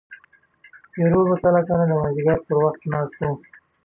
پیرو کله کله د مازدیګر پر وخت ناست و.